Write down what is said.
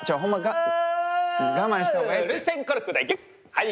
はい！